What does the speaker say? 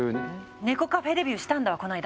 猫カフェデビューしたんだわこの間。